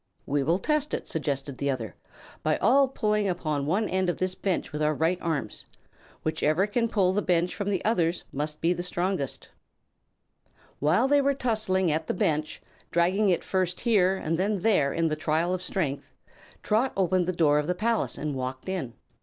"We will test it," suggested the other, "by all pulling upon one end of this bench with our right arms. Whichever can pull the bench from the others must be the stronger." While they were tussling at the bench, dragging it first here and then there in the trial of strength, Trot opened the door of the palace and walked in.